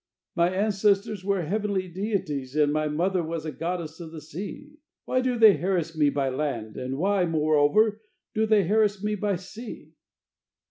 my ancestors were heavenly deities, and my mother was a goddess of the sea. Why do they harass me by land, and why, moreover, do they harass me by sea?"